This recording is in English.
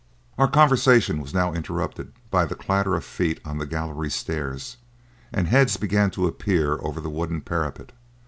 Our conversation was now interrupted by the clatter of feet on the gallery stairs, and heads began to appear over the wooden parapet.